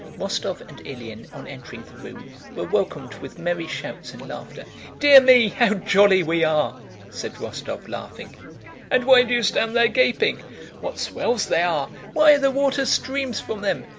Rostóv and Ilyín, on entering the room, were welcomed with merry shouts and laughter. "Dear me, how jolly we are!" said Rostóv laughing. "And why do you stand there gaping?" "What swells they are! Why, the water streams from them!